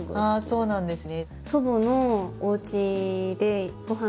そうなんですね。